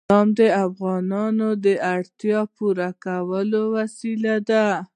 بادام د افغانانو د اړتیاوو د پوره کولو وسیله ده.